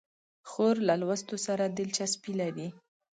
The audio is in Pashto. خور له لوستو سره دلچسپي لري.